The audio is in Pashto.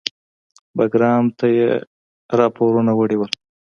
بګرام ته یې راپورونه وړي وو.